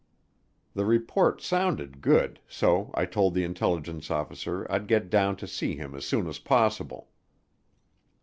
The report sounded good, so I told the intelligence officer I'd get down to see him as soon as possible.